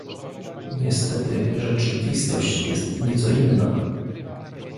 Niestety rzeczywistość jest nieco inna